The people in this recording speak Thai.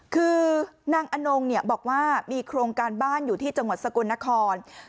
คือนางอนงบอกว่ามีโครงการบ้านอยู่ที่จังหวัดสกลนคร